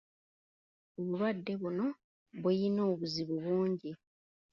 Obulwadde buno buyina obuzibu bungi.